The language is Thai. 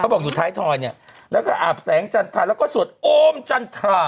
บอกอยู่ท้ายทอยเนี่ยแล้วก็อาบแสงจันทราแล้วก็สวดโอมจันทรา